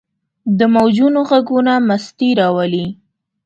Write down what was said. د موجونو ږغونه مستي راولي.